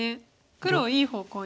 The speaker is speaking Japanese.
黒をいい方向に。